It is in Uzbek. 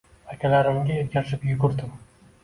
Akalarimga ergashib yugurdim.